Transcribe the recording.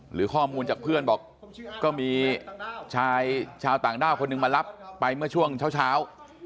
หรือข้อมูลจากเพื่อนบอกก็มีชายชาวต่างด้าวคนหนึ่งมารับไปเมื่อช่วงเช้า